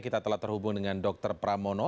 kita telah terhubung dengan dr pramono